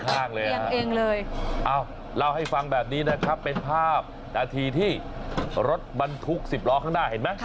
เล่าให้ฟังแบบนี้นะครับเป็นภาพนาทีที่รถบรรทุก๑๐ล้อข้างหน้าเห็นไหม